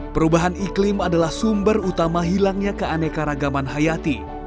perubahan iklim adalah sumber utama hilangnya keaneka ragaman hayati